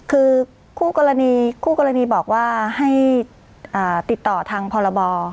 คือคู่กรณีคู่กรณีบอกว่าให้ติดต่อทางพรบ